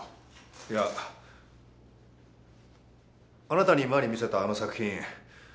あなたに前に見せたあの作品。